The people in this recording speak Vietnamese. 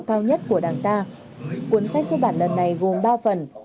tình cảm cao nhất của đảng ta cuốn sách xuất bản lần này gồm ba phần